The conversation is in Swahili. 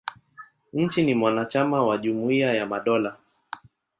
Nchi ni mwanachama wa Jumuia ya Madola.